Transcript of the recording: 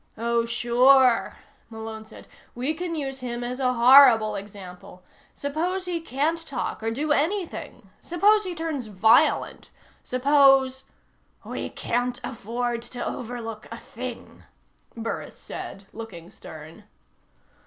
"Oh, sure," Malone said. "We can use him as a horrible example. Suppose he can't talk, or do anything? Suppose he turns violent? Suppose " "We can't afford to overlook a thing," Burris said, looking stern.